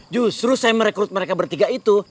justru saya merekrut mereka bertiga itu